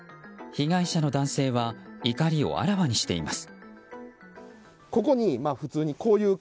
被害者の男性は怒りをあらわにしています。